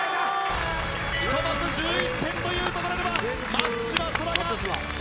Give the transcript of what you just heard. ひとまず１１点というところでは松島輝空が。